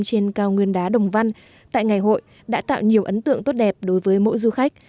trên cao nguyên đá đồng văn tại ngày hội đã tạo nhiều ấn tượng tốt đẹp đối với mỗi du khách